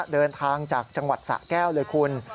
เดินทางจากจังหวัดสะแก้วเลยคุณ